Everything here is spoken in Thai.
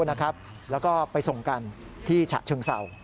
แล้วก็ไปส่งกันที่ฉะเชิงเศร้า